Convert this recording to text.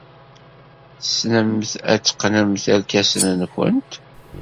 Tessnemt ad teqqnemt irkasen-nwent?